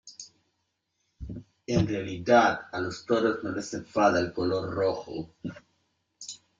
En realidad a los toros no les enfada el color rojo.